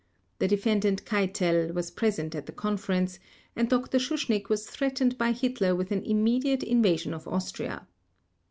The Defendant Keitel was present at the conference, and Dr. Schuschnigg was threatened by Hitler with an immediate invasion of Austria.